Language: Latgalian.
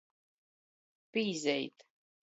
Pīzeit.